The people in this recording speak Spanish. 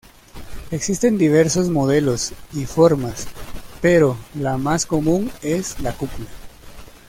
Existen diversos modelos y formas, pero la más común es la cúpula.